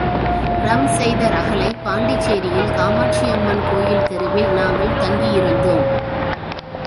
ரம் செய்த ரகளை பாண்டிச்சேரியில் காமாட்சியம்மன் கோயில் தெருவில் நாங்கள் தங்கியிருந்தோம்.